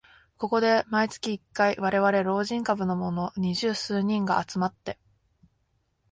ここで毎月一回、われわれ老人株のもの二十数人が集まって